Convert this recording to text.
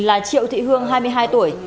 là triệu thị hương hai mươi hai tuổi